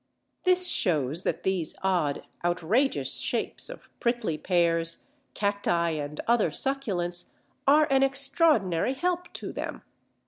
This shows that these odd, outrageous shapes of Prickly Pears, Cacti, and other succulents are an extraordinary help to them.